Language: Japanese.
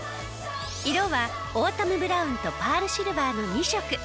色はオータムブラウンとパールシルバーの２色。